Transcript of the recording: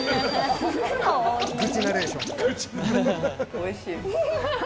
おいしい！